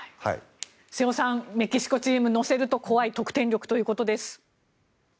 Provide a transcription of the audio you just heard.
瀬尾さん、メキシコチーム乗せると怖い得点力ということです。